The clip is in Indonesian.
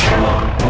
gak ada apa apa